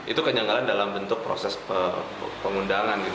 itu kejanggalan dalam bentuk proses pengundangan gitu